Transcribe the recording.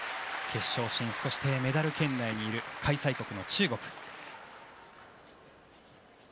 決勝進出、そしてメダル圏内にいる開催国の中国。